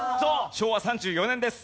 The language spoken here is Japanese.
昭和３４年です。